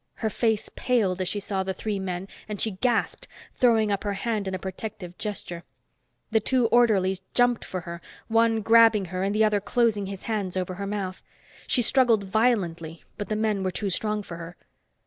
Her face paled as she saw the three men, and she gasped, throwing up her hand in a protective gesture. The two orderlies jumped for her, one grabbing her and the other closing his hands over her mouth. She struggled violently, but the men were too strong for her.